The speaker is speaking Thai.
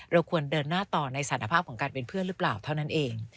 เราควรเดินหน้าต่อในสารภาพของการเป็นเพื่อนหรือเปล่าเท่านั้นเอง